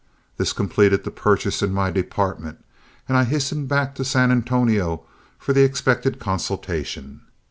This completed the purchases in my department, and I hastened back to San Antonio for the expected consultation.